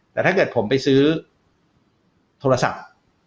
แต่ถ้าเกิดผมไปซื้อโทรศัพท์